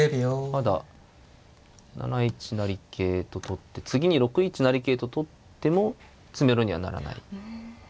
まだ７一成桂と取って次に６一成桂と取っても詰めろにはならない。